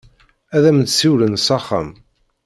Ad am-d-siwlen s axxam.